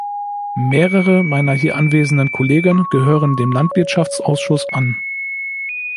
Mehrere meiner hier anwesenden Kollegen gehören dem Landwirtschaftsausschuss an.